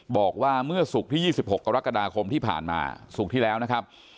บอกว่าเมื่อศุกร์ที่๒๖กรกฎาคมที่ผ่านมาศุกร์ที่แล้วนะครับ